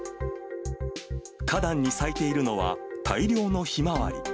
花壇に咲いているのは、大量のヒマワリ。